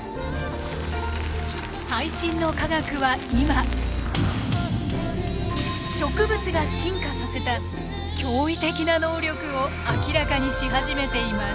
最新の科学は今植物が進化させた驚異的な能力を明らかにし始めています。